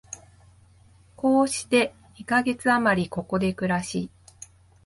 こうして二カ月あまり、ここで暮らし、